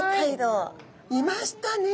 いましたね。